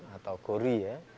atau gori ya